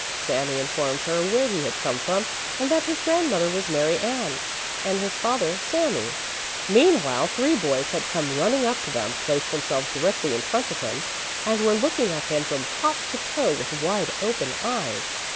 Sami informed her where he had come from and that his grandmother was Mary Ann, and his father, Sami. Meanwhile three boys had come running up to them, placed themselves directly in front of him, and were looking at him from top to toe with wide open eyes.